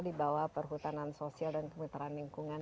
di bawah perhutanan sosial dan kemitraan lingkungan